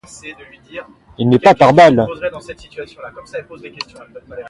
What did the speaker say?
Il n'est pas pare-balles.